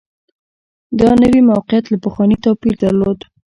دا نوي موقعیت له پخواني توپیر درلود